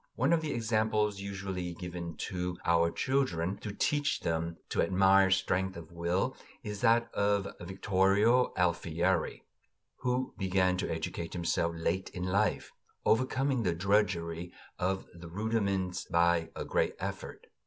One of the examples usually given to our children, to teach them to admire strength of will, is that of Vittorio Alfieri, who began to educate himself late in life, overcoming the drudgery of the rudiments by a great effort.